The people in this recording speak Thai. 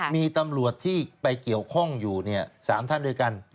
มีตำรวจที่ไปเกี่ยวข้องอยู่๓ท่านด้วยกัน